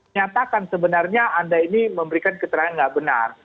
nyatakan sebenarnya anda ini memberikan keterangan tidak benar